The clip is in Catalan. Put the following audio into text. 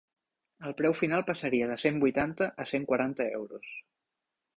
El preu final passaria de cent vuitanta a cent quaranta euros.